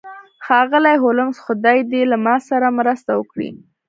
ښاغلی هولمز خدای دې له ما سره مرسته وکړي